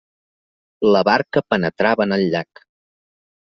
La barca penetrava en el llac.